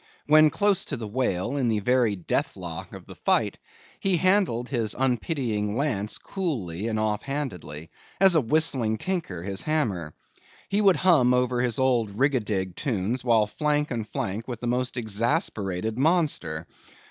When close to the whale, in the very death lock of the fight, he handled his unpitying lance coolly and off handedly, as a whistling tinker his hammer. He would hum over his old rigadig tunes while flank and flank with the most exasperated monster.